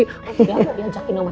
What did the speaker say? oma diajakin oma